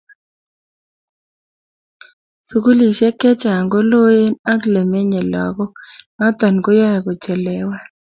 sukulisiek chechang koloen ak lemenyei lakok notok koyaei kochelewan